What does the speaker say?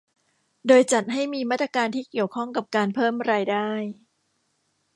โดยจัดให้มีมาตรการที่เกี่ยวข้องกับการเพิ่มรายได้